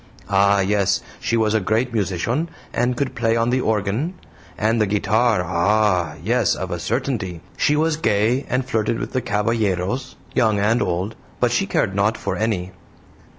Ah, yes, she was a great musician, and could play on the organ. And the guitar, ah, yes of a certainty. She was gay, and flirted with the caballeros, young and old, but she cared not for any."